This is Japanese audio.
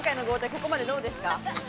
ここまでどうですか？